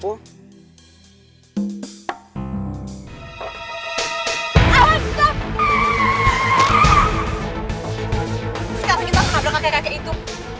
sekarang kita akan nabrak kakek kakek itu